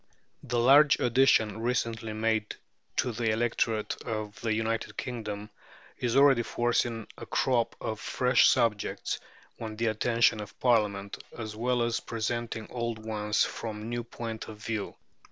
The large addition recently made to the electorate of the United Kingdom is already forcing a crop of fresh subjects on the attention of Parliament, as well as presenting old ones from new points of view.